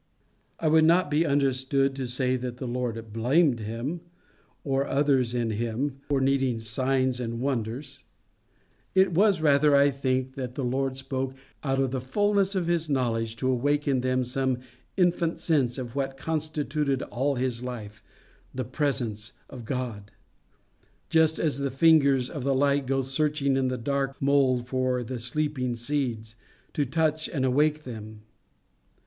I would not be understood to say that the Lord blamed him, or others in him, for needing signs and wonders: it was rather, I think, that the Lord spoke out of the fulness of his knowledge to awake in them some infant sense of what constituted all his life the presence of God; just as the fingers of the light go searching in the dark mould for the sleeping seeds, to touch and awake them.